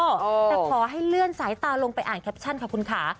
แต่ขอให้เลื่อนสายตาลงไปอ่านแคปชั่นค่ะคุณค่ะ